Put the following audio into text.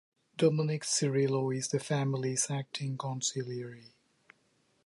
Dominick Cirillo is the family's acting consigliere.